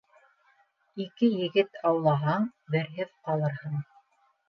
Ике егет аулаһаң, берһеҙ ҡалырһың.